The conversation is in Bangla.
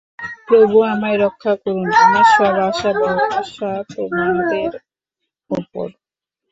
প্রভু আমায় রক্ষা করুন! আমার সব আশা-ভরসা তোমাদের উপর।